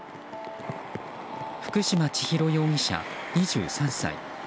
福島千尋容疑者、２３歳。